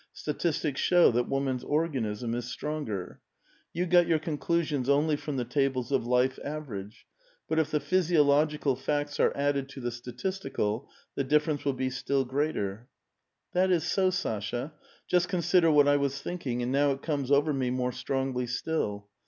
Statistics show that woman's organism is stronger. You got your conclusions only from the tables of life averagec. But if the physio logical facts are added to the statistical, the difference will be still greater.'* *'That is so, Sasha; just consider what I was thinking, and now it comes over me more strongly still.